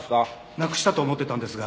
なくしたと思ってたんですが。